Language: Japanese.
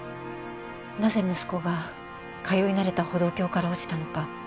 なぜ息子が通い慣れた歩道橋から落ちたのか。